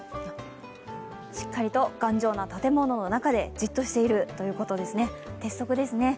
しっかりと頑丈な建物の中でじっとしているということですね、鉄則ですね。